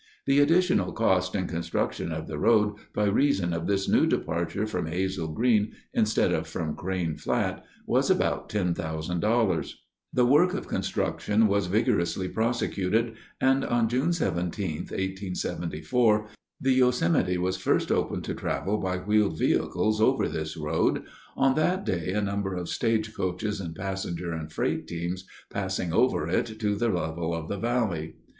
The additional cost in construction of the road by reason of this new departure from Hazel Green instead of from Crane Flat was about $10,000. The work of construction was vigorously prosecuted, and on June 17, 1874, the Yosemite was first opened to travel by wheeled vehicles over this road, on that day a number of stage coaches and passenger and freight teams passing over it to the level of the valley.